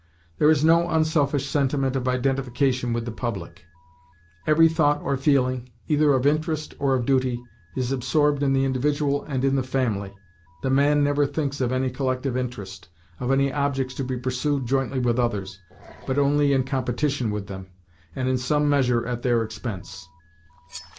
There is no unselfish sentiment of identification with the public. Every thought or feeling, either of interest or of duty, is absorbed in the individual and in the family. The man never thinks of any collective interest, of any objects to be pursued jointly with others, but only in competition with them, and in some measure at their expense.